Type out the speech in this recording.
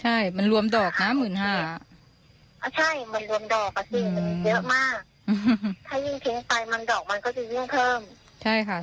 ใช่มันรวมดอกอะสิมันมีเยอะมากถ้ายิ่งทิ้งไปมันดอกมันก็จะยิ่งเพิ่ม